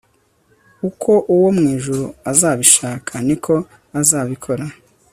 uko uwo mu ijuru azabishaka, ni ko azabikora